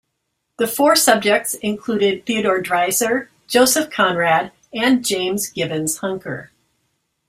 The four subjects included Theodore Dreiser, Joseph Conrad and James Gibbons Huneker.